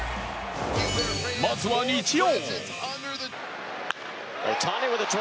まずは日曜。